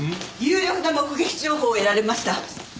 有力な目撃情報を得られました。